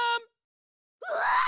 うわ！